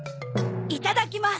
いただきます。